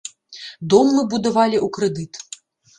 Дом мы будавалі ў крэдыт.